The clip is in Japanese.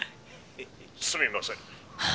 「すみません」。